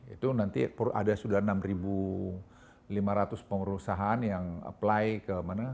itu nanti ada sudah enam ribu lima ratus pengurusan yang apply ke mana